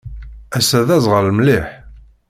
Ass-a d azɣal mliḥ.